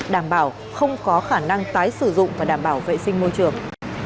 đảm bảo không có khả năng tái sử dụng và đảm bảo vệ sinh môi trường